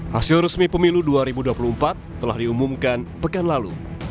hasil resmi pemilu dua ribu dua puluh empat telah diumumkan pekan lalu